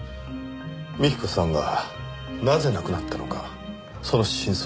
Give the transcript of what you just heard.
幹子さんがなぜ亡くなったのかその真相です。